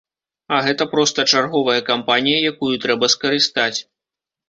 А гэта проста чарговая кампанія, якую трэба скарыстаць.